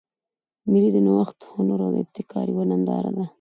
مېلې د نوښت، هنر او ابتکار یوه ننداره ده.